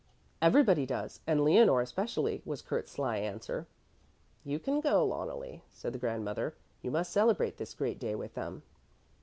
"Everybody does, and Leonore especially," was Kurt's sly answer. "You can go, Loneli," said the grandmother. "You must celebrate this great day with them."